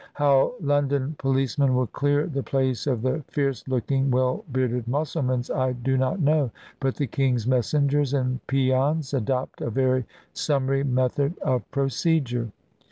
How London policemen would clear the place of the fierce looking, well bearded Mussulmans I do not know; but the king's messengers and peons adopt a very summary method of procedure.